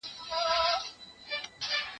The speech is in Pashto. په مجلس کي به یې وویل نظمونه